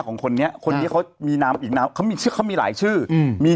ของคนนี้คนนี้เขามีน้ำอีกน้ำเขามีชื่อเขามีหลายชื่ออืมมี